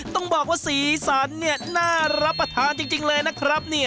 ต้องบอกว่าสีสันน่ารับประทานจริงเลยนะครับ